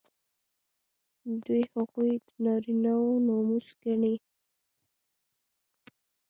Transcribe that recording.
دوی هغوی د نارینه وو ناموس ګڼي.